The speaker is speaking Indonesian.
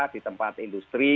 di tempat industri